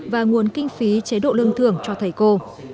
và nguồn kinh phí chế độ lương thưởng cho thầy cô